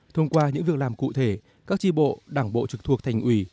thông qua những việc làm cụ thể các tri bộ đảng bộ trực thuộc thành ủy